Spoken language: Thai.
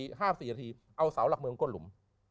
๕๔นาทีเอาเสาหลักเมืองก้นหลุม